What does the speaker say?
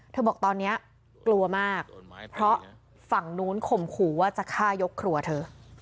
บอกตอนนี้กลัวมากเพราะฝั่งนู้นข่มขู่ว่าจะฆ่ายกครัวเธอ